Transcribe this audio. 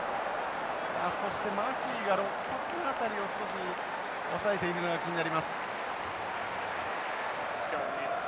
そしてマフィがろっ骨の辺りを少し押さえているのが気になります。